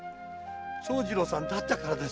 長次郎さんだったからです。